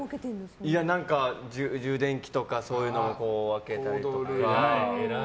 充電器とかそういうのを分けたりとか。